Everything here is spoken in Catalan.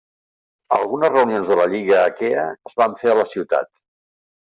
Algunes reunions de la lliga Aquea es van fer a la ciutat.